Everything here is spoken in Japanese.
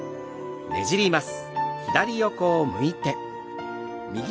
ねじります。